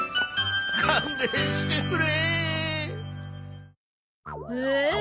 勘弁してくれ！